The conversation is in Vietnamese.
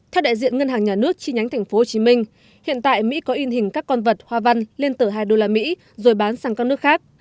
theo đại diện ngân hàng nhà nước chi nhánh tp hcm hiện tại mỹ có in hình các con vật hoa văn lên tờ hai đô la mỹ rồi bán sang các nước khác